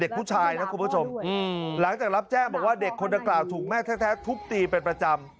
เด็กผู้ชายนะครับคุณผู้ชม